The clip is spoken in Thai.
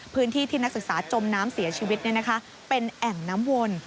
พื้นที่ที่นักศึกษาจมน้ำเสียชีวิตเป็นแอ่งน้ำวน